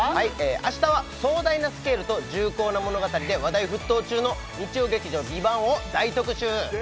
明日は壮大なスケールと重厚な物語で話題沸騰中の日曜劇場「ＶＩＶＡＮＴ」を大特集